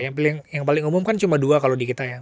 ya yang paling umum kan cuma dua kalau di kita ya